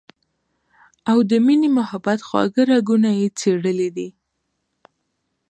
او د مينې محبت خواږۀ راګونه ئې چېړلي دي